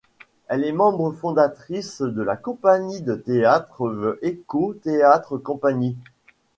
Elle est membre fondatrice de la compagnie de théâtre The Echo Theatre Company.